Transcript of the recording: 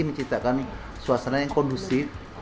menciptakan suasana yang kondusif